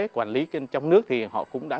quản lý trong nước thì họ cũng đã